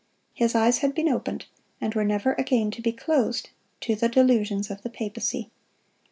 His eyes had been opened, and were never again to be closed, to the delusions of the papacy.